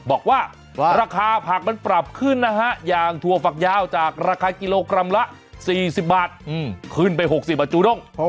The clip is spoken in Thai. บอกว่าราคาผักมันปรับขึ้นนะฮะอย่างถั่วฝักยาวจากราคากิโลกรัมละ๔๐บาทขึ้นไป๖๐บาทจูด้ง